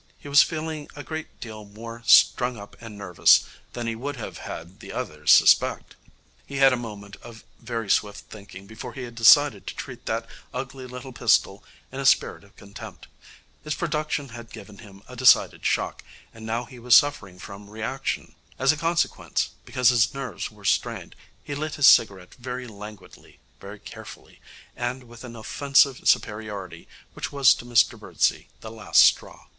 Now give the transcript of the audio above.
He was feeling a great deal more strung up and nervous than he would have had the others suspect. He had had a moment of very swift thinking before he had decided to treat that ugly little pistol in a spirit of contempt. Its production had given him a decided shock, and now he was suffering from reaction. As a consequence, because his nerves were strained, he lit his cigarette very languidly, very carefully, and with an offensive superiority which was to Mr Birdsey the last straw.